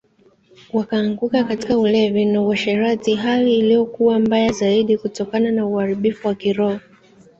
Wakaanguka katika ulevi na uasherati hali iliyokuwa mbaya zaidi kutokana na uharibifu wa kiroho